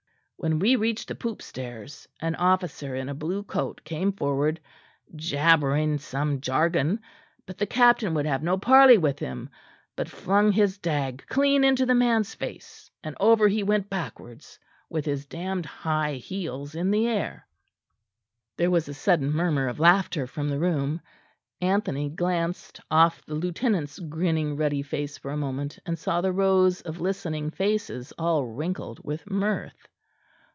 When we reached the poop stairs an officer in a blue coat came forward jabbering some jargon; but the captain would have no parley with him, but flung his dag clean into the man's face, and over he went backwards with his damned high heels in the air." There was a sudden murmur of laughter from the room; Anthony glanced off the lieutenant's grinning ruddy face for a moment, and saw the rows of listening faces all wrinkled with mirth.